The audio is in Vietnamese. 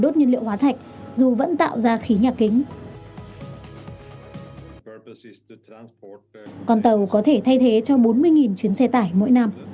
con tàu có thể thay thế cho bốn mươi chuyến xe tải mỗi năm